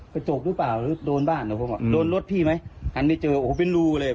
กระจกหรือเปล่าหรือโดนบ้านเดี๋ยวผมอ่ะโดนรถพี่ไหมหันไปเจอโอ้โหเป็นรูเลย